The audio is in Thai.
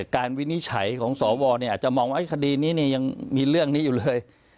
การวินิจฉัยของสเนี่ยอาจจะมองว่าเอ๊ะคดีนี้นี่ยังมีเรื่องนี้อยู่เลย